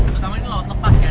terutama ini laut lepas ya